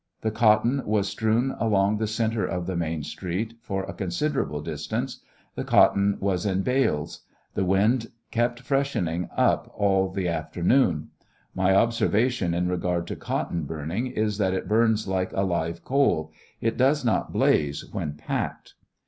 The cotton was strewn along the centre of the main street for a con siderable distance ; the cotton was in bales. The wind kept freshening up all the afternoon. My observation in regard to cotton burning is. that it burns like a live coal ; it does not blaze when packed.